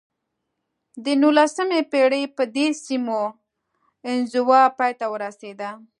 د نولسمې پېړۍ په دې سیمو انزوا پای ته ورسېده.